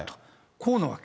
こうなわけ。